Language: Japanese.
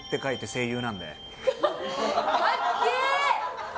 かっけー！